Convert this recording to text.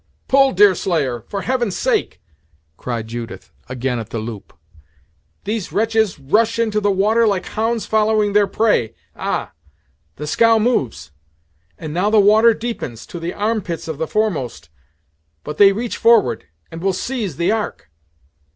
"Pull, Deerslayer, for Heaven's sake!" cried Judith, again at the loop. "These wretches rush into the water like hounds following their prey! Ah the scow moves! and now, the water deepens, to the arm pits of the foremost, but they reach forward, and will seize the Ark!"